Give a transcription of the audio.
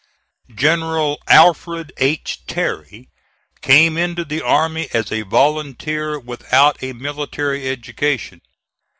General Alfred H. Terry came into the army as a volunteer without a military education.